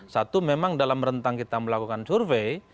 satu memang dalam rentang kita melakukan survei